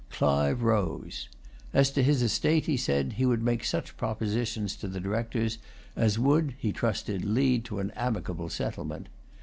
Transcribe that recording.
Clive rose. As to his estate, he said, he would make such propositions to the Directors, as would, he trusted, lead to an amicable settlement.